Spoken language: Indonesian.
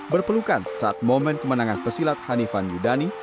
berpelukan saat momen kemenangan pesilat hanifan yudani